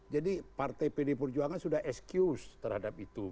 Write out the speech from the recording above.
jadi partai pd perjuangan sudah excuse terhadap itu